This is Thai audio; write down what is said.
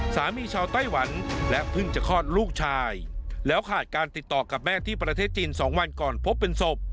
สามีชาวไต้หวันและเพิ่งจะคลอดลูกชายแล้วขาดการติดต่อกับแม่ที่ประเทศจีน๒วันก่อนพบเป็นศพ